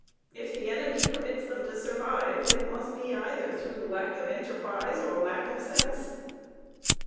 If the enemy permits them to survive, it must be either through lack of enterprise or lack of sense."